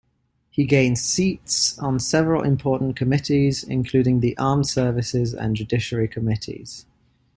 He gained seats on several important committees, including the Armed Services and Judiciary Committees.